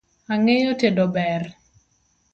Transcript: Ang'eyo tedo ber